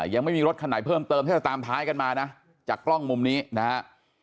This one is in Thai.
ยังไม่มีรถคันไหนเพิ่มเติมถ้าเราตามท้ายกันมานะจากกล้องมุมนี้นะฮะ